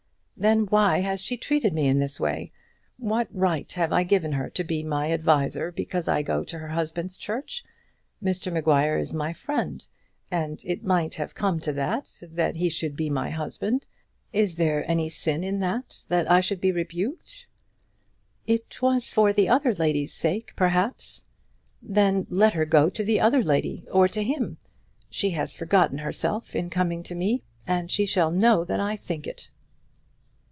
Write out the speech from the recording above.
"Then why has she treated me in this way? What right have I given her to be my advisor, because I go to her husband's church? Mr Maguire is my friend, and it might have come to that, that he should be my husband. Is there any sin in that, that I should be rebuked?" "It was for the other lady's sake, perhaps." "Then let her go to the other lady, or to him. She has forgotten herself in coming to me, and she shall know that I think so."